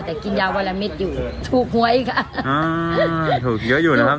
แต่กินยาวันละมิตรอยู่ถูกหวยค่ะอ่าถูกเยอะอยู่นะครับ